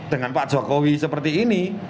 dengan pak jokowi seperti ini